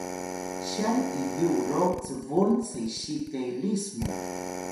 syan iyu ro cbun sesiy qelis mu